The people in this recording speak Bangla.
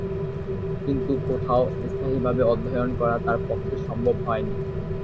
কিন্তু কোথাও স্থায়িভাবে অধ্যয়ন করা তাঁর পক্ষে সম্ভব হয়নি।